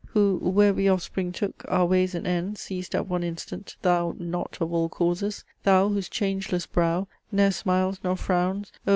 Who, where we offspring took, Our ways and ends see'st at one instant: thou Knot of all causes! Thou, whose changeless brow Ne'er smiles nor frowns! O!